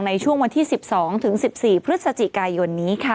ในช่วงวันที่๑๒๑๔พฤศจิกายนนี้ค่ะ